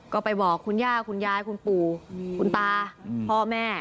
ก็ไปบอกคุณย่าคุณยายคุณปู่คุณตาพ่อแม่